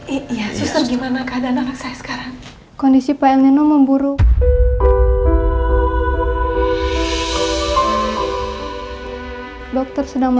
iya suster gimana keadaan anak saya sekarang